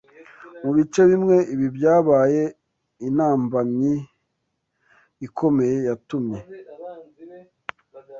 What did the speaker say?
Mu bice bimwe, ibi byabaye intambamyi ikomeye yatumye